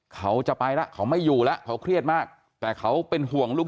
เขาจะไปแล้วเขาไม่อยู่แล้วเขาเครียดมากแต่เขาเป็นห่วงลูก